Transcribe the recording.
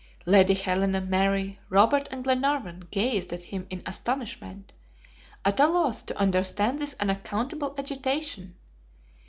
Lady Helena, Mary, Robert, and Glenarvan gazed at him in astonishment, at a loss to understand this unaccountable agitation.